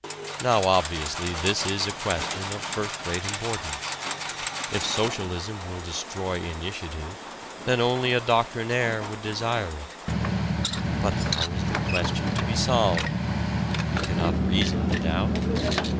Now obviously this is a question of first rate importance. If socialism will destroy initiative then only a doctrinaire would desire it. But how is the question to be solved? You cannot reason it out.